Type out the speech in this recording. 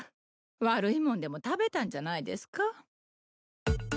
悪いもんでも食べたんじゃないですか？